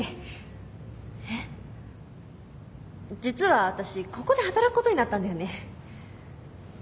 実は私ここで働くことになったんだよね。